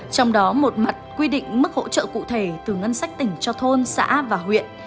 trong đó một mặt quy định mức hỗ trợ cụ thể từ ngân sách tỉnh cho thôn xã và huyện